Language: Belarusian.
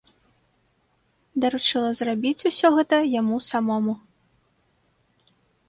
Даручыла зрабіць усё гэта яму самому.